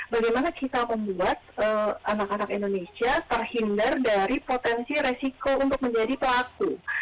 bagaimana kita membuat anak anak indonesia terhindar dari potensi resiko untuk menjadi pelaku